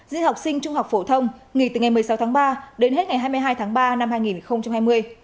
di học sinh trung học phổ thông nghỉ từ ngày một mươi sáu tháng ba đến hết ngày hai mươi hai tháng ba năm hai nghìn hai mươi